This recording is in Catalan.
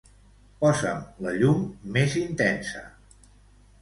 Posa'm la llum més intensa.